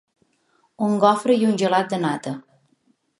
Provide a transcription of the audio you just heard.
Un gofre i un gelat de nata.